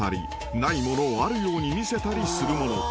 ［ないものをあるように見せたりするもの］